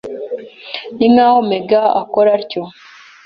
Ninkaho Meg akora atyo.